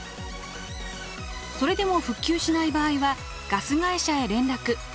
それでも復旧しない場合はガス会社へ連絡。